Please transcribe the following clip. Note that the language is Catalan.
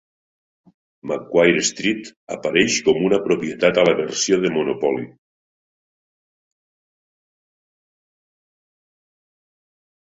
Macquarie Street apareix com una propietat a la versió de Monopoly.